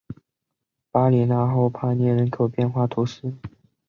巴里讷后帕涅人口变化图示